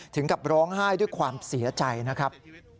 ถึงกับร้องไห้ด้วยความเสียใจนะครับ